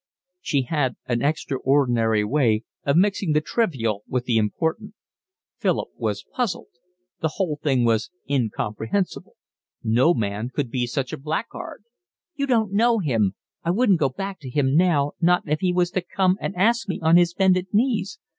She had an extraordinary way of mixing the trivial with the important. Philip was puzzled. The whole thing was incomprehensible. "No man could be such a blackguard." "You don't know him. I wouldn't go back to him now not if he was to come and ask me on his bended knees.